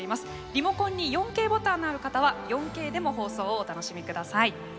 リモコンに４Ｋボタンがある方は４Ｋでも放送をお楽しみください。